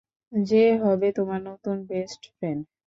যে হবে তোমার নতুন বেস্ট ফ্রেন্ড।